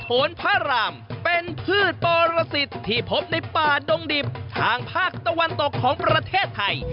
นพระรามเป็นพืชปรสิทธิ์ที่พบในป่าดงดิบทางภาคตะวันตกของประเทศไทย